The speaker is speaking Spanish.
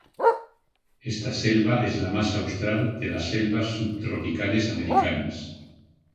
Esta selva es la más austral de las selvas subtropicales americanas.